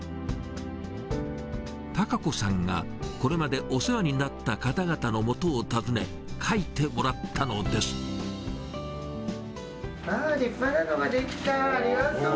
貴子さんがこれまでお世話になった方々の元を訪ね、書いてもらっ立派なのができた、ありがとう。